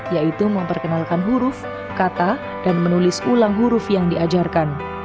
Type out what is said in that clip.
yaitu memperkenalkan huruf kata dan menulis ulang huruf yang diajarkan